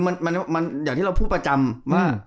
มันอย่างที่เราพูดประจำว่า